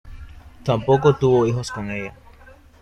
Tampoco tuvo hijos con ella.